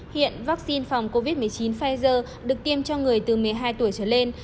hiện vaccine phòng covid một mươi chín pfizer được tiêm cho người từ một mươi hai tuổi trở lên